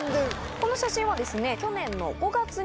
この写真はですね。